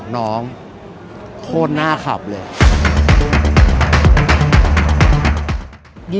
โน้มโคตรน่าขับเลย